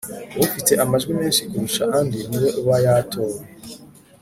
Ufite amajwi menshi kurusha andi niwe uba yatowe